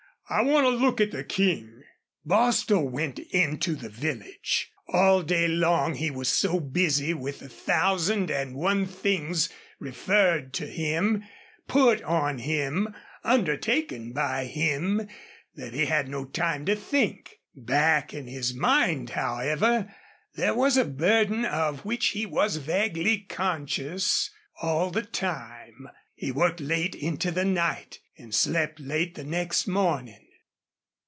I want a look at the King." Bostil went into the village. All day long he was so busy with a thousand and one things referred to him, put on him, undertaken by him, that he had no time to think. Back in his mind, however, there was a burden of which he was vaguely conscious all the time. He worked late into the night and slept late the next morning.